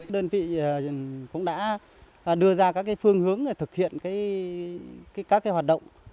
đơn vị cũng đã đưa ra các phương hướng thực hiện các hoạt động